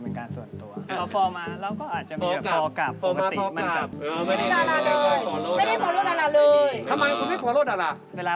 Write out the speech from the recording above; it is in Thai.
นี่เป็นคำตอบที่ดี